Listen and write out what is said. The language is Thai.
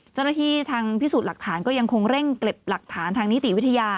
เจ้าหน้าที่ทางพิสูจน์หลักฐานก็ยังคงเร่งเก็บหลักฐานทางนิติวิทยา